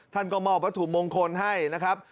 ท่านก็มอบวัตถุมงคลให้นะครับ